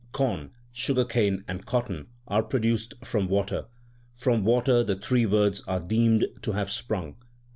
Corn, sugar cane, and cotton are produced from water ; 2 from water the three worlds are deemed to have sprung.